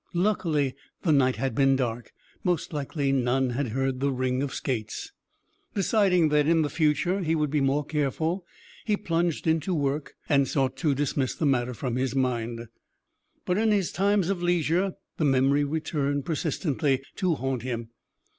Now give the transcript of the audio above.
Luckily the night had been dark. Most likely none had heard the ring of skates. Deciding that in future he would be more careful, he plunged into work, and sought to dismiss the matter from his mind. But in his times of leisure the memory returned persistently to haunt him.